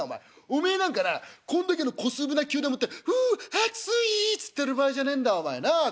おめえなんかなこんだけの小粒な灸でもって『ふう熱い』っつってる場合じゃねえんだお前なあ。